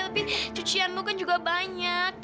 tapi cucian lo kan juga banyak